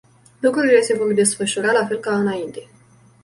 Lucrurile se vor desfășura la fel ca înainte.